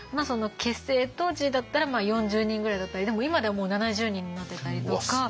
結成当時だったら４０人ぐらいだったり今ではもう７０人になってたりとか。